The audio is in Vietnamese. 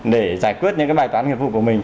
để giải quyết những bài toán nghiệp vụ của mình